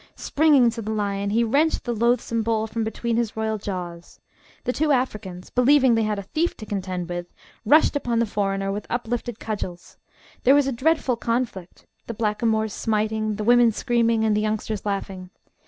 Springing to the lion, he wrenched the loathsome bowl from between his royal jaws. The two Africans, believing they had a thief to contend with, rushed upon the foreigner with uplifted cudgels. There was a dreadful conflict: the blackamoors smiting, the women screaming, and the youngsters laughing.